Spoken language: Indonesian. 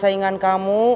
sama saingan kamu